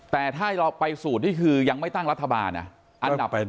แต่ถ้าไม่ตั้งรัฐบาไทย